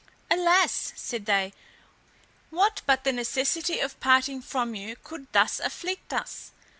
"Alas!" said they, "what but the necessity of parting from you could thus afflict us?